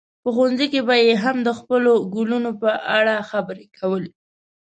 په ښوونځي کې به یې هم د خپلو ګلونو په اړه خبرې کولې.